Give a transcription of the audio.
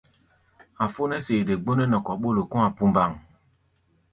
A̧ fó nɛ́ sede gbónɛ́ nɛ kɔ̧ ɓólo kɔ̧́-a̧ bundaŋ-bundaŋ.